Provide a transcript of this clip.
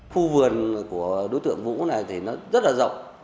khu vườn của đối tượng vũ này thì nó rất là rộng